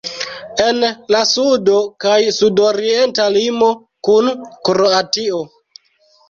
En la sudo kaj sudorienta limo kun Kroatio.